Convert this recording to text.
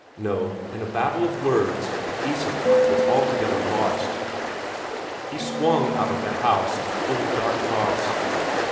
No, in a battle of words Isak was altogether lost. He swung out of the house, full of dark thoughts.